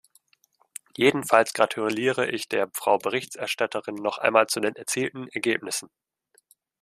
Jedenfalls gratuliere ich der Frau Berichterstatterin noch einmal zu den erzielten Ergebnissen.